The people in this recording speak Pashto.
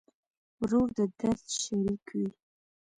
ورور د درد شریک وي.